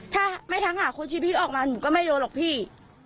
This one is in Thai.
ถ้าไม่ทักหาคนชีวิตพี่ออกมาหนูก็ไม่โดนหรอกพี่